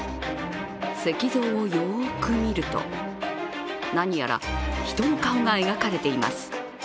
石像をよく見ると、何やら人の顔が描かれています。